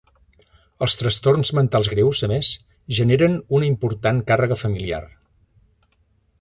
Els trastorns mentals greus, a més, generen una important càrrega familiar.